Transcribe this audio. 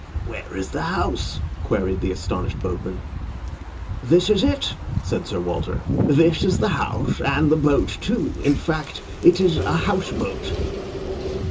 "Where is the house?" queried the astonished boatman. "This is it," said Sir Walter. "This is the house, and the boat too. In fact, it is a house boat."